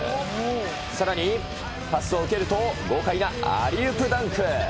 さらに、パスを受けると、豪快なアリウープダンク。